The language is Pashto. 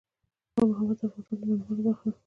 آب وهوا د افغانستان د بڼوالۍ برخه ده.